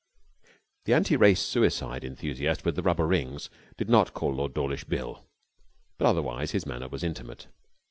The anti race suicide enthusiast with the rubber rings did not call Lord Dawlish Bill, but otherwise his manner was intimate.